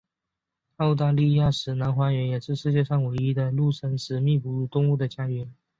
澳大利亚的石楠荒原也是世界上唯一的陆生食蜜哺乳动物的家园。